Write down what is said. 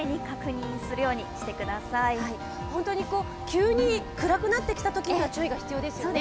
急に暗くなってきたときには注意が必要ですね。